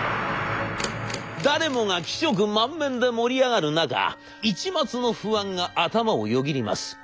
誰もが喜色満面で盛り上がる中一抹の不安が頭をよぎります。